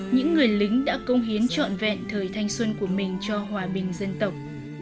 những người lính đã công hiến trọn vẹn thời thanh xuân của mình cho hòa bình dân tộc